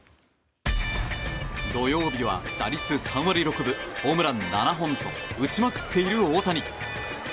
土曜日は打率３割６分ホームラン７本と打ちまくっている大谷。